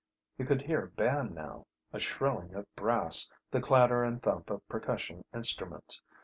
He could hear a band now, a shrilling of brass, the clatter and thump of percussion instruments.